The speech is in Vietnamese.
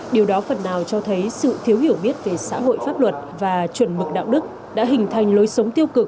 điều đó phần nào cho thấy sự thiếu hiểu biết về xã hội pháp luật và chuẩn mực đạo đức đã hình thành lối sống tiêu cực